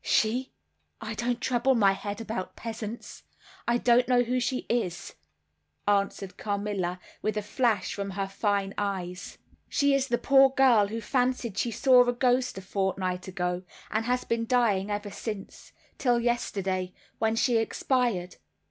"She? I don't trouble my head about peasants. I don't know who she is," answered Carmilla, with a flash from her fine eyes. "She is the poor girl who fancied she saw a ghost a fortnight ago, and has been dying ever since, till yesterday, when she expired."